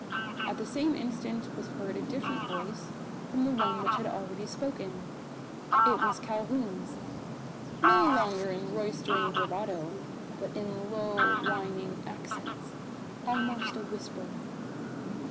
At the same instant was heard a different voice from the one which had already spoken. It was Calhoun's no longer in roistering bravado, but in low whining accents, almost a whisper.